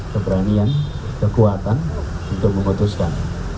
keberanian kekuatan untuk memutuskan